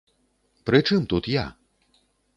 Пры чым тут я?